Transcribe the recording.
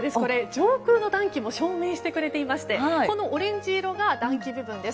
上空の暖気も証明してくれていましてこのオレンジ色が暖気部分です。